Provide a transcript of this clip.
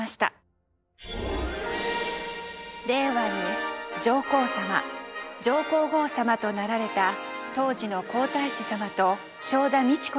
令和に上皇さま上皇后さまとなられた当時の皇太子さまと正田美智子さんのご結婚。